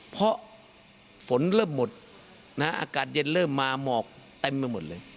เพราะฝนเริ่มหมดอากาศเย็นเริ่มมาหมอกเต็มไปหมดเลย